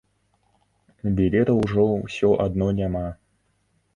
Білетаў ужо ўсё адно няма.